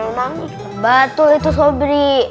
mampus kan batu itu sobri